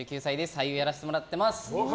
俳優をやらせてもらってます。